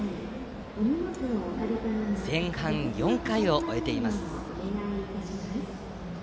前半、４回を終えています。